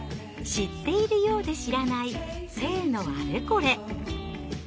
知っているようで知らない性のアレコレ。